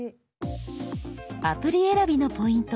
アプリ選びのポイント